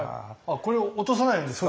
これを落とさないようにですか？